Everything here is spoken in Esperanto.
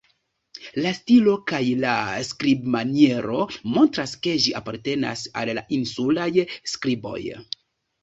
La stilo kaj la skribmaniero montras, ke ĝi apartenas al la insulaj skriboj.